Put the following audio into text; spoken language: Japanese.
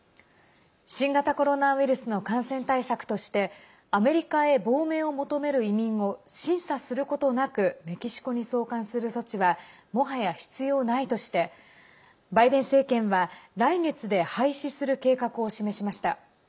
新型コロナウイルスの感染対策としてアメリカへ亡命を求める移民を審査することなくメキシコに送還する措置はもはや必要ないとしてバイデン政権は、来月で廃止する計画を示しました。